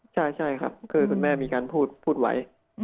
ใช่ครับคือคุณแม่มีการพูดไว้